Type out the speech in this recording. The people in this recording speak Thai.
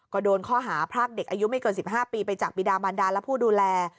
ก็โดนข้อหาพรากเด็กอายุไม่เกิน๑๕ปีไปจากปีดามันดาและผู้ดูแล